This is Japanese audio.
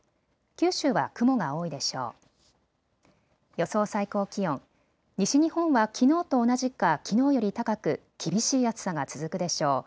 予想最高気温、西日本はきのうと同じかきのうより高く厳しい暑さが続くでしょう。